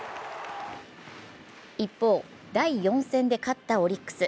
一方、第４戦で勝ったオリックス。